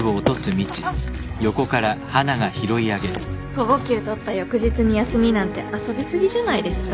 午後休取った翌日に休みなんて遊びすぎじゃないですか？